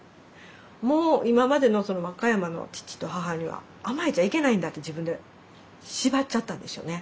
もう今までの和歌山の父と母には甘えちゃいけないんだって自分で縛っちゃったんでしょうね。